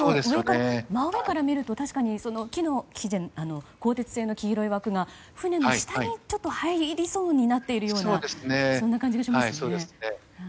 真上から見ると確かに、鋼鉄製の黄色い枠が船の下に入りそうになっているような感じがしますね。